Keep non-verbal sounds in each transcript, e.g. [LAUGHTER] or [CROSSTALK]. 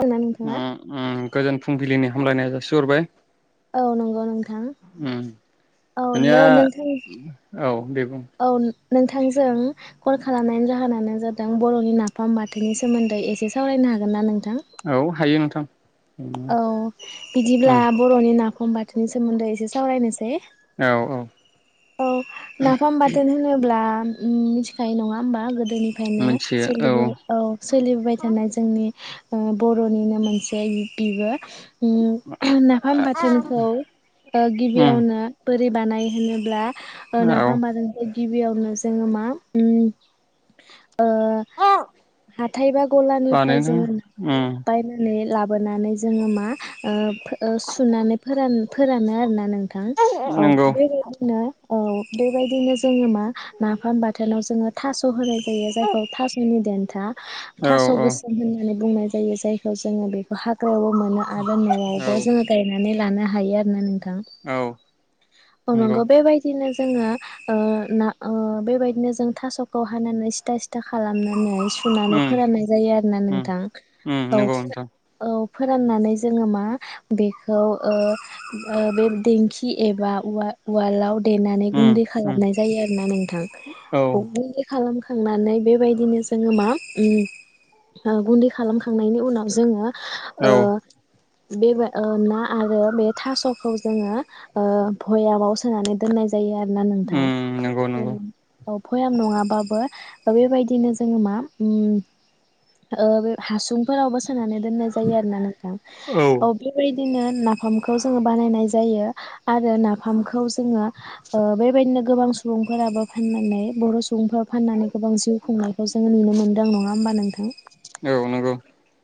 खोनादोंना नोंथाङा? ओम-ओम गोजोन फुंबिलिनि हामलायनाय जासिहरबाय। औ नंगौ नोंथां उम औ दानिया नो नोंथां औ दे बुं। औ नोंथांजों कल खालामनायनि जाहोनानो जादों बर'नि नाफाम बाथोनि सोमोन्दै एसे सावरायनो हागोन ना नों औ हायो नोंथां। औ बिदिब्ला उम बर'नि नाफाम बाथोननि सोमोन्दै एसे सावरायनोसै। औ औ औ नाफाम बाथोन होनोब्ला मिथिखायो नङा होमबा गोद गोदोनिफ्रायनो सोलिबो औ सोलिबोबाय थानाय जोंनि ओ बर'निनो मोनसे बिबो। ओम नाफाम बाथोनखौ ओ उम गिबियावनो बोर बानाय होनोब्ला औ नाफाम बाथोनखो गिबियावनो जोङो मा ओम ओ हाथाय बा गलानिफ्राय बानायनो जोङो नाखौ उम बायनानै लाब नानै जोङो मा ओ फो सुनानै फोरन फोरानो आरोना नों थां औ नंगौ बेबायदिनो औ बेबायदिनो जोङो मा नाफाम बाथोनाव जोङो थास होनाय जायो औ जायखौ थासनि देन्था औ थास' औ गोसोम होननानै बुंनाय जायो जायखौ जोङो बे हाग मानो आरो जोङो गायना माने लानो हायो आरो ना नोंथां। औ नोंथां अ नंगौ बेबायदिनो जोङो ओ ना ओ बेबायदिनो जों थास'खौ हानानै सिथा सिथा खालामनानै सुनानै उम फोराननाय जायो आरो ना उम नोंथां। उम औ। नंगौ नोंथां औ फोराननानै जोङो मा बेखौ ओ बे ओ देंखि एबा उवा-उवालाव देनानै उम गुन्दै उम खालामनाय जायो आरो ना नोंथां। औ गुन्दै खालामखांना थांनानै बेबायदिनो जोङो मा उम गुन्दै खालामखांनायनि उनाव जोङो ओ औ बेबा ना आरो बे थास'खौ जोङो भयामाव सोनानै दोननाय ज जायो आरोना नोंथां। उम नंगौ नंगौ उम। भयाम नङाबाबो बेबायदिनो जोङो मा उम बे हासुंफोरावबो सोनानै दोन जायो आरोना नोंथां औ बेबायदिनो नाफामखौ जोङो बानायनाय जायो आरो नाफामखौ जोङो ओ बेबायदिन गोबां सुबुंफोराबो फाननानै बर' सुब सुबुंफोराव फाननानै गोबां जिउ खुंनायखौ जोङो नुनो मोनदों नङा होमबा नोंथां? औ नंगौ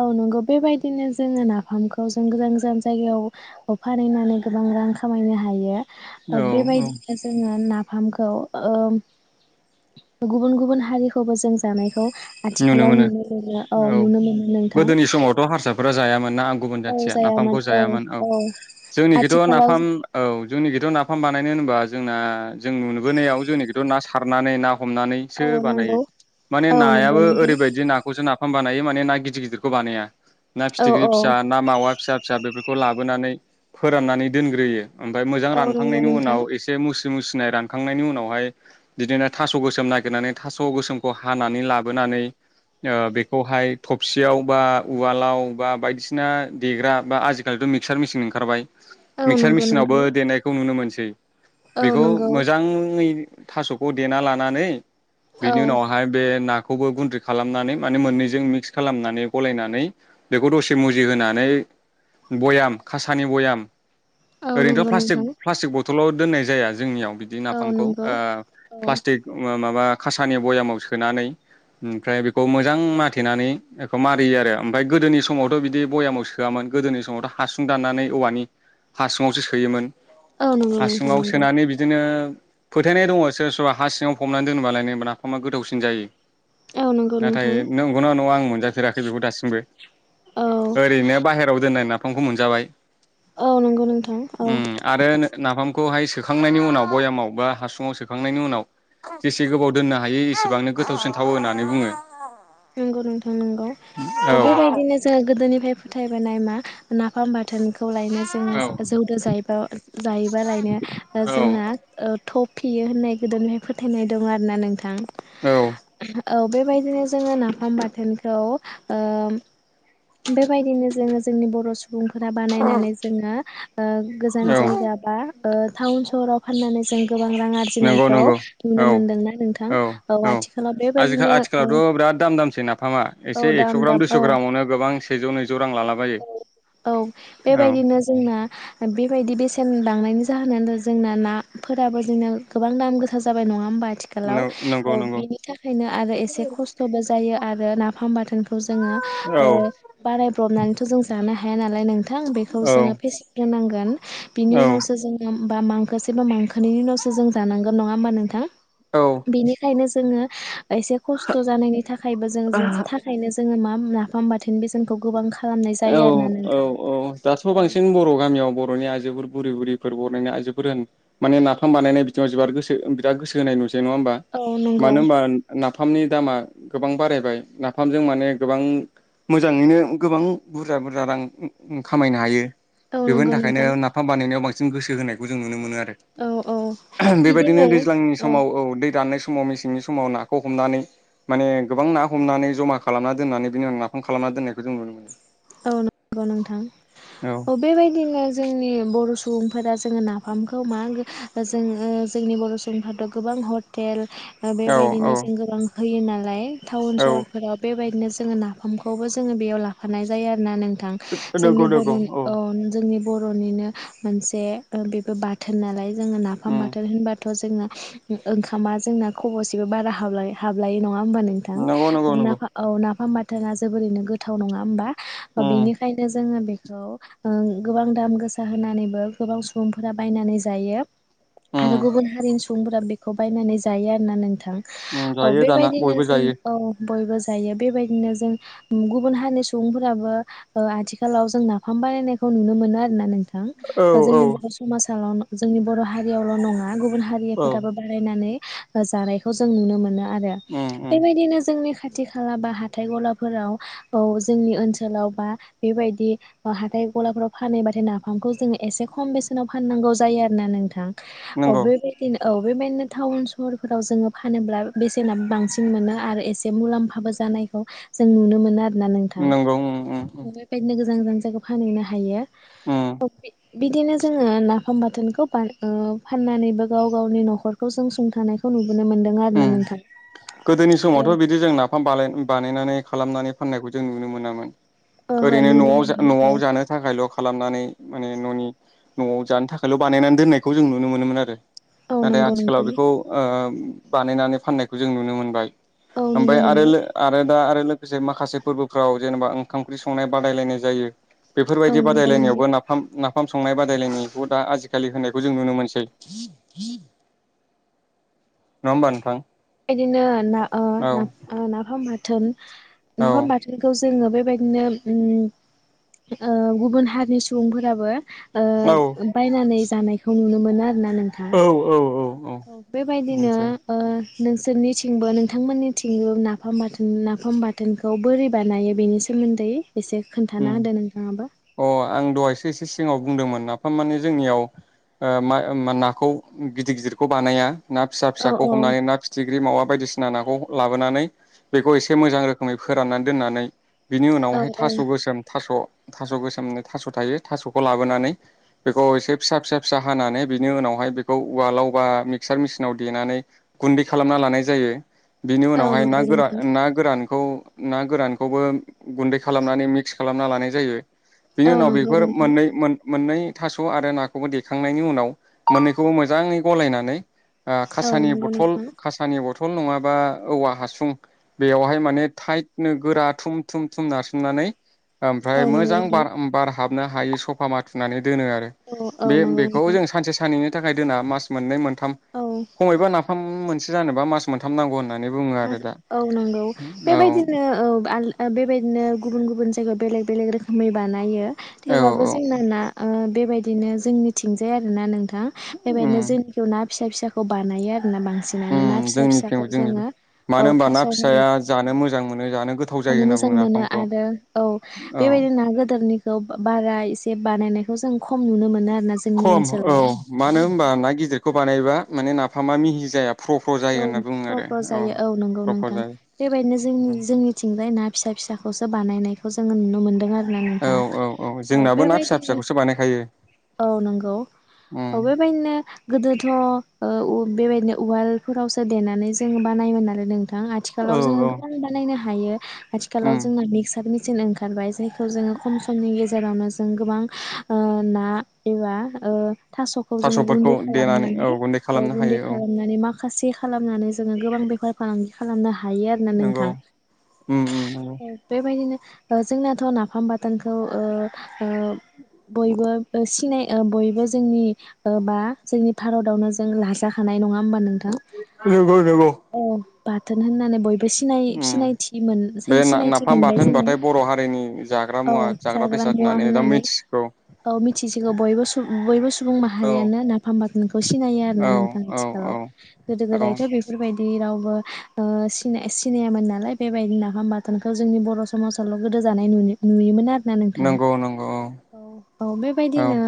औ नोंगौ। बेबायदिनो जोङो नाफामखौ जों गोजान गोजान जायगायावबो फानहैनानै गोबां रां खामायनो हायो। ओ औ औ बेबायदिनो जोङो ना फामखौ ओ गुबुन गुबुन हारिखौबो जों जानायखौ आथिखालाव नुनो मोनो औ नुनो मोनो नोंथां। फोरा जायामोन। ना आं गुबुन जाथिया नाफामखौ जायामोन औ जोंनिखौथ' आथिखालाव नाफाम औ जोंनिखौथ' नाफाम बानायनो होनोबा जोंना जों नुबोनायाव जोंनिखौथ' ना सारनानै ना हमनानैसो औ बानायो नंगौ माने औ नाया नंगौ बो नोंथां ओरैबायदि नाखौ जोंना फाम बानायो माने ना गिदिर गिदिरखौ बानाया। ना औ फिथिख्रि औ फिसा ना मावा फिसा फिसा बेफोरखौ खौ लाबोनानै फोराननानै दोनग्रोयो। ओमफाय मोजां औ नंगौ रानखांनायनि नोंथां उनाव एसे मुस नाय रानखांनायनि उनावहाय बिदिनो थास' गोसोम नागोरनानै थास' गोसोम खौ हानानै ला लाबोनानै ओ बेखौहाय थबसियाव बा उवालाव बा बायदिसिना देग्रा बा आजिखालिथ' मिक्सार मेसिन ओंखारबाय। औ मिक्सार नंगौ मिसिनावबो नोंथां देनायखौ नुनो मोनसै। औ बेखौ नंगौ मोजाङै थास'खौ देना लानानै औ बेनि उनावहाय बे ना बखौबो गुन्द्रि खालामनानै माने मोननैजों मिक्स खालामनानै गलायनानै बेखौ दसे मुजि होनानै बयाम खासानि बयाम औ ओरैनोथ नंगौ प्लाटिक नोंथां प्लाटिक बथल थलाव दोननाय जाया जोंनियाव बिदि औ नाफामखौ ओ नंगौ औ प्लास्टिक माबा खासानि बयामाव सोनानै ओमफ्राय बेखौ मोजां माथेनानै बेखौ मारियो आरो ओमफ्राय गोदोनि समावथ बिदि भयामाव सोआमोन गोदोनि समावथ हासुं दाननानै औवानि हासुुंआवसो सोयोमोन औ नंगौ नोंथां हासुङाव नंगौ सोनानै बिदिनो फोथायनाय दङ सोरबा सोरबा हा सिङाव फबनानै दोनोबालाय नो नाफामा गोथावसिन जायो औ नंगौ नाथाय नोंथां नंगौ ना नङा आं मोन जाफेराखै बेखौ दासिमबो औ ओरैनो बाहेरायाव दोननाय ना फामखौ मोनजाबाय औ नंगौ नोंथां औ उम आरो नाफामखौहाय सोखांनायनि उनाव भयामाव बा हासुङाव सोखांनायनि उनाव जेसे गोबाव दोननो हायो एसेबांनो गोथावसिन थावो होननानै बुङो नंगौ नोंथां नंगौ औ अ बेबायदिनो जोङो गोदोनि फ्राय फोथायबोनाय मा नाफाम बाथोनखौ खौ लायनो औ जोङो जौदो जायोबा जायोबा लायनो जोंना ओ थफ फियो होननाय गोदोनिफ्राय फोथायनाय दङ आरो ना नोंथां औ बेबायदिनो जोङो नाफाम बाथोनखौ ओम बेबायदिनो जोङो जोंनि बर सुबुं बुंफोरा बानायनानै जोङो ओ गोजान औ जायगा बा ओ टाउन सहराव फाननानै जों गोबां रां नंगौ आरजिनायखौ नंगौ नुनो औ मोनदोंना नोंथां औ औ आथिखालाव आजिखा बेबायदिनो आथिखालावथ बिराद दाम दामसै नाफामा एसे औ एक्स‌ दाम ग्राम दाम दुइस ग्रामावनो गोबां सेजौ‌ नै [UNINTELLIGIBLE] औ औ औ बेबायदिनो जोंना बे बेबायदि बेसेन लांनायनि जाहोनानो जोंना नाफोराबो जोंना गोबां दाम गोसा जाबाय नङा होमबा आथिखालाव नंगौ औ नंगौ बिनि थाखायनो आरो एसे खस्थबो जायो आरो नाफाम बाथोनखौ खौ जोङो औ ओ बानाय ब्रबनानैथ जानो हाया नाल दाय नोंथां औ जोङो फेसेवगोरनांगोन बिनि उनावसो जोङो बा मांखोसेबा मांखोनैनि उनावसो जों जानांगोन नङा होमबा नोंथां औ बेनिखायनो जोङो एसे खस्थ जानायनि थाखायबो जों जो थाखायनो जोङो मा मोना होमबाथो होन बेसेनखौ गोबां खा औ औ औ दाथ बांसिन बर गामियाव बरनि आइज बेफोर बुरि बुरिफोर बनायना आइजोफोरानो माने नाफाम बानायनाय बिथिङाव जोबार गोसो बिराद गोसो होनाय नुस नङा होमबा औ नंगौ मानो होनबा नाब नाफामनि दामा गोबां बारायबाय नाफामजों माने गोबां मो मोजाङैनो गोबां बुरजा बुरजा रां ओंओ खामायनो हायो औ बेफोरनि नंगौ थाखायनो नोंथां नाफाम बानायनायाव बांस जों गोसो होनायखौ जों नुनो मोनो औ औ आ बेबायदिनो बिदिनो दैज्लांनि समाव औ दै दाननाय स माव मेसेंनि समाव नाखौ हमनानै माने गोबां ना होमनानै जमा खालामना दोननानै बिनि उनाव नाफाम खा खालामना दोननायखौ जों नुनो मोनो औ नं-गौ नोंथां औ बेबायदिनो जोंनि बर स सुबुंफोरा जोङो नाफामखौ मा जोङो जोंनि बर सुबुंफोराथ गोबां हटेल बेबायदिनो जों औ गोबां होयो नालाय टाउन सहरफोराव बेबाय बिदिनो जोङो नाफामखौबो जोङो बेयाव लाफानाय जायो आरोना नों थां औ नंगौ जोंनि नंगौ बड-नि औ जोंनि बरनिनो मोनसे ओ बेबो बाथोन नालाय जोङो नाफाम उम बाथोन होनबाथा जोंना ओ ओंखामा जोंना खबसेबो बारा हाबलाय हाबलाय नङा नङा होमबा नोंथां नंगौ नंगौ नाफा नंगौ उम औ नाफाम बाथ थाङा जोबोरैनो गोथाव नङा होमबा उम बिनिखायनो जोङो बे औ ओं गोबां दाम गोसा होनानैबो गोबां सुबुंफोरा बायनानै जायो आरो उम गुबुन हारिनि सुबुंफोरा बेखौ बायनानै जायो आरोना नों थां औ जायो दाना बेबायदिनो बयबो जों जायो औ बयबो जायो बेबायदिनो जों गुबुन हानि सुबुंफोराबो ओ आथिखालाव जों नाफाम बानायनायखौ नुनो मोनो आरोना नों थां औ ओ औ जोंनि बर समाजाव जोंनि बर हारियावल नङा गुबुन हा औ हारिफोराबो बारायनानै जानायखौ जों नुनो मोनो । आरो उम उम बेबायदिनो जोंनि खा खाथि खाला बा हाथाय गलाफोराव औ जोंनि ओनसोलाव बा बेबायदि हाथाय गलाफ्राव फानहैबाथाय नाफामखौ जोङो एसे खम बेसेनाव फाननांगौ जायो आरो ना नोंथां। अ नंगौ बेबायदिनो औ बेबायदिनो टाउन-सहरफोराव जोङो फानोब्ला बेसेना बांसिन मोनो आरो एसे मुलाम्फाबो जानायखौ जों नुनो मोनो आरोना नोंथां नंगौ ओ ओ । बेबायदिनो गोजान गोजान फानहैनो हायो बिदिनो जोङो नाफाम बाथोनखौ फाननानैबो गाव-गावनि न'खरखौ जों सुंथानायखौ नुनो मोनो । ओम गोदोनि औ समावथ' बिदि जों नाफाम बानायनानै खालामनानै फाननायखौ जों नुनो मोनामोन ओहो ओरैनो नुनो न'आव मोनामोन औ न'आव जानो थाखायल' खालामनानै माने न'नि न'आव जानो थाखायल' बानायनानै दोननायखौ जों नुनो मोनोमोन आरो । औ नाथाय नंगौ आथिखालाव नोंथां बेखौ ओ बानायनानै फाननायखौ जों नुनो मोनबाय । औ नुनो ओमफ्राय आरो मोनो आरो । दा आरो लोगोसे माखासे फोरबोफ्राव जेनेबा ओंखाम-ओंख्रि संनाय बादायलायनाय जायो । औ बेफोरबायदि नंगौ नोंथां बादायलायनायावबो नाफाम नाफाम । ओंखाम संनाय बादायलायनायखौ दा आजिखालि होनायखौ जों नुनो मोनसै नङा होमा नोंथां । बेबायदिनो ओ ना नाफाम । बाथोन । औ नाफाम बाथोनखौ । जोङो बेबायदिनो ओ गुबुन हारिनि सुबुंफोराबो । औ ओ बायनानै जानायखौ नुनो मोनो होना नोंथां औ औ औ औ बेबायदिनो मोनसै नोंसोरनिथिंबो नोंथांमोननिथिंबो नाफाम बाथोन नाफाम बाथोनखौ बोरै बानायो बेनि सोमोन्दै । एसे खोन्थाना उम होदो नोंथाङाबो अ आं दहायसो एसे सिगाव बुंदोंमोन नाफाम माने जोंनियाव नाखौ गिदिर-गिदिरखौ बानाया ना औ फिसा-फिसाखौ औ हमनानै ना फिथिख्रि मावा बायदिसिना नाखौ लाबोनानै बेखौ एसे मोजां रोखोमै फोराननानै दोननानै बिनि औ उनावहाय थास' । गोसोम थास' थास' गोसोम थास' थायो थास'खौ लाबोनानै बेखौ एसे फिसा फिसा फिसा हानानै बिनि उनावहाय बेखौ उवालाव बा मिक्सार मेसिनाव देनानै गुन्दै खालामना लानाय जायो । बिनि औ उनावहाय ना नंगौ नोंथां गोरान ना गोरान खौ ना गोरानखौबो गुन्दै खालाम खालाम नानै मिक्स खालामना लानाय जायो बेनि औ उनाव नंगौ बेफोर नोंथां मोननै मोन मोननै थास‌ आरो नाखौबो देखांनायनि उनाव मोननैखौबो मोजांङै गलायनानै ओ औ खासानि नंगौ बथल नोंथां खासानि बथल सटल नङाबा औवा हासुं बेवहाय माने थाइटनो गोरा थुम थुम थुम नारसि सुंनानै ओमफ्राय औ नंगौ मोजां बार नोंथां बार हाबनो हायो सफा माथुनानै दोनो आरो औ औ बे नंगौ बेखौ नोंथां जों सानसे साननैनो नि थाखाय दोना मास मोननै मोन औ खमायबा नाफाम मोनसे जानोबा मास मोनथाम नांगौ होननानै बुङो आरो दा औ नगौ औ बेबायदिनो औ आल बेबायदिनो गुबुन गुबुन जायगायाव बेलेग बेलेग रोखोमै बानायो औ थेवब्लााबो औ जोंना ना ओ बेबायदिनो जोंनिथिंजाय आरो ना नोंथां उम बेबायदिनो जोंनि ना फिसा फिसाखौ बानायो आरो जना बांसिनानो ना उम फिसा जोंनिथिं फिसाखौ जोंनिबो जोंङो मानो होनबा ना फिसाया जानो मोजां मोनो जानो गोथाव जायो जानो होनना बुङो मोजां मोनो नाफामखौ आरो औ औ बेबायदि ना गोदोरनि खौ बारा एसे बानायनायखौ जों खम नुनो मोनो आरो खम औ मानो होनबा ना गिदिरखौ बानायबा माने नाफाम थामामि हिजायाब औ फ्र' फ्र' जायो औ नंगौ फ्र फ्र नोंथां जायो बेबायदिनो जोंनि जोंनिथिंजाय ना फिसा फिसा खौसो बानायनायखौ जोङो नुनो मोन्दों आरो औ नोंथां औ औ जोंनाबो ना फिसा बेबायदिनो फिसाखौसो बानायखायो औ नंगौ उम औ बेबायदिनो गोदोथ' ओ उ बेबायदिनो उवाल फोरावसो देनानै जों बानायोमोन आरो नों नोंथां औ आथिखालाव जोंङो औ गोबां बानायनो हायो हायो आथिखालाव उम जों मिक्सार बांसिन ओंखारबाय जायखौ जोङो खम समनि गेजेरावनो जों गोबां ना एबा ओ थास'खौ जोङो थास'फोरखौ गुन्दै देनानै खालामनानै गुन्दै औ खालामनो गुन्दै हायो औ खालामनानै मा खासे खालामनानै जोङो गोबां बेफार फालांगि खालामनो हा हायो आरोना नंगौ नोंथां उम उम नंगौ । बेबायदिनो ओ जोंनाथ' नाफाम बाथोनखौ ओ बयबो ओ सिनाय ओ बयबो जोंनि ओ बा जोंनि भारतावनो जों लाजाखानाय नङा होमबा नों थां नंगौ नंगौ [UNINTELLIGIBLE] बाथोन होननानै बय बो सिनाय उम सिनायथि मोन बे जोन ना सिनायथि नाफाम मोनबाय बाथोन जोङो। होनबाथाय बर' हारिनि जाग्रा औ मुवा जाग्रा बेसाद मुवा दा होननानै मिथिगौ औ मिथिसिगौ बयबो बयबो सुबुं औ माहारियानो नाफाम बाखोनखौ सिनायो आरो औ ना नोंथां औ आथिखालाव । गोदो औ गोदायथ' बेफोरबायदि रावबो ओ सिनाय सिनाययामोन नालाय बेबायदि नाफाम बाथोनखौ जोंनि बर' समाज आवल' गोदो जानाय नुयो नुयोमोन आरो । ना नोंथां? नंगौ नंगौ औ औ औ बेबायदिनो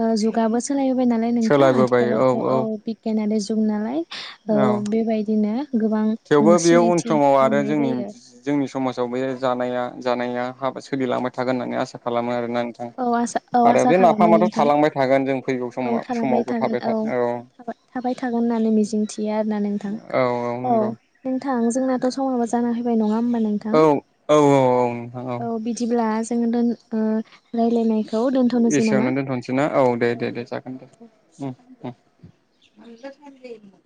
ओ जुगाबो सो लाय बाय नालाय नोंथां आथिखालावथ' औ बिगियानानो जुग नालाय औ बेबायदिनो गोबां थेवबो बेयो उन सिनायथि समाव आरो मोननाय जोंनि जायो जोंनि समाजाव बे जानाया जानाया हाबा सोलिलांबाय थागोन होननानै आसा खालामो आरो । नोंथां औ आसा औ आसा खालामो नोंथां थालांबाय थागोन जों फैगौ औ समा थालांबाय समावबो थागोन थाबाय था औ थाबाय थाबाय थागोन होननानै मिजिं थियो आरोना नोंथां औ औ नंगौ । नोंथां जोंनाथ' समाबो जाना फैबाय नङा होमबा औ नोंथां औ औ औ। औ बिदि ब्ला जोङो दोन [UNINTELLIGIBLE] दोनथ'नोसै एसेवनो नामा औ दोनथ'नोसै ना? औ दे दे दे जागोन दे हुम हुम । न फाम [UNINTELLIGIBLE]